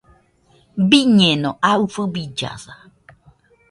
Biñeno aɨfɨ billasa.